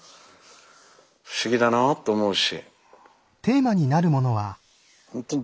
不思議だなと思うし。